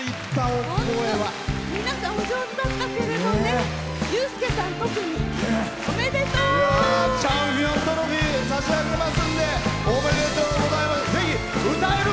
お上手だったけれどね。